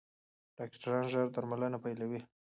ډاکټران ژر درملنه پیلوي.